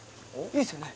いいですよね！？